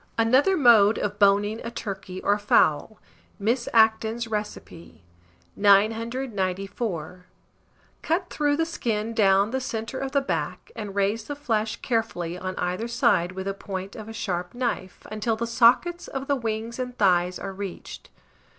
ANOTHER MODE OF BONING A TURKEY OR FOWL. (Miss Acton's Recipe.) 994. Cut through the skin down the centre of the back, and raise the flesh carefully on either side with the point of a sharp knife, until the sockets of the wings and thighs are reached.